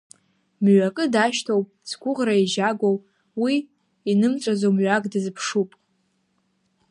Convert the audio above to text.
Мҩакы дашьҭоуп згәыӷра еижьагоу, уи инымҵәаӡо мҩак дазыԥшуп.